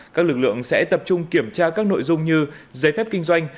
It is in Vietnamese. các lực lượng sẽ tập trung kiểm tra các nội dung như giấy phép kinh doanh